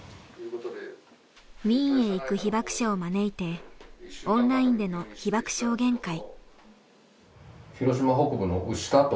ウィーンへ行く被爆者を招いてオンラインでの被爆証言会。